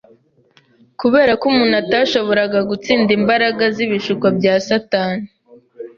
Kubera ko umuntu atashoboraga gutsinda imbaraga z’ibishuko bya Satani